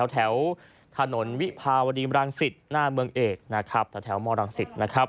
แถวถนนวิพาวดีรังสิตหน้าเมืองเอกแถวมรังสิต